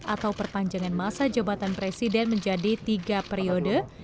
atau perpanjangan masa jabatan presiden menjadi tiga periode